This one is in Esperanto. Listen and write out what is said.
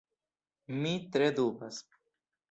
Mi tre dubas.